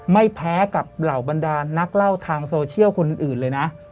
ไม่แพ้กับเหล่าบรรดานักเล่าทางโซเชียลคนอื่นเลยนะ